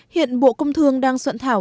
hiện bộ công thương đang soạn thảo